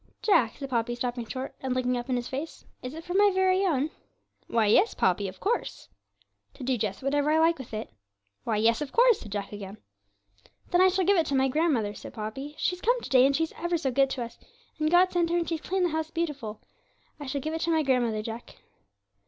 'Jack,' said Poppy, stopping short, and looking up in his face, 'is it for my very own?' 'Why, yes, Poppy of course.' 'To do just whatever I like with it?' 'Why, yes, of course,' said Jack again. 'Then I shall give it to my grandmother,' said Poppy; 'she's come to day, and she's ever so good to us; and God sent her, and she's cleaned the house beautiful. I shall give it to my grandmother, Jack.'